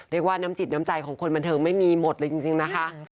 เรียกว่าน้ำจิตน้ำใจของคนบันเทิงไม่มีหมดเลยจริงนะคะ